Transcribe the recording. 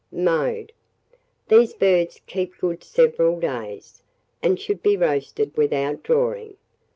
Mode. These birds keep good several days, and should be roasted without drawing.